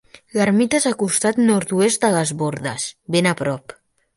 L'ermita és al costat nord-oest de les bordes, ben a prop.